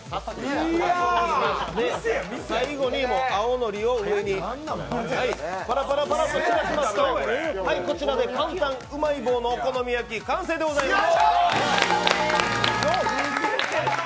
最後に青のりを上にパラパラと散らしますとこちらで簡単、うまい棒のお好み焼き、完成でございます。